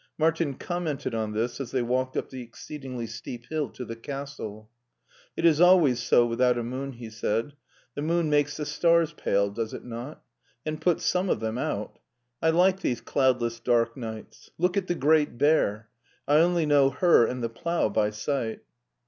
Martin commented on this as they walked up the exceedingly steep hill to the castle. '* It is always so without a moon," he said. " The moon makes the stars pale, does it not? And puts some of them out. I like these cloudless dark nights. Look at the Great Bear. J only know her and the Plough by sight."